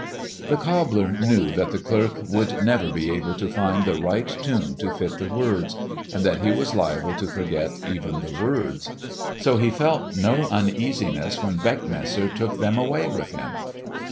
The cobbler knew that the clerk would never be able to find the right tune to fit the words, and that he was liable to forget even the words. So he felt no uneasiness when Beckmesser took them away with him.